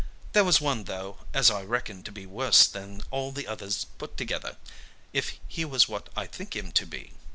There was one though as I reckon to be worse than all the others put together, if he was what I think him to be.